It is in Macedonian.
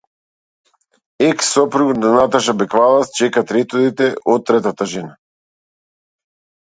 Екс сопругот на Наташа Беквалац чека трето дете со третата жена